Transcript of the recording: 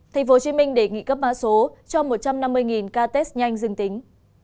thành phố hồ chí minh đề nghị cấp mã số cho một trăm năm mươi ca test nhanh dương tính